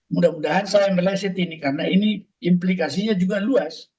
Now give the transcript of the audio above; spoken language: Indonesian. mudah mudahan saya meleset ini karena ini implikasinya juga luas